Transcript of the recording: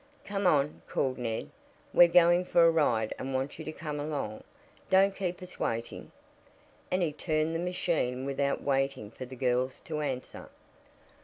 "Come on," called Ned, "We're going for a ride and want you to come along. Don't keep us waiting." And he turned the machine without waiting for the girls to answer.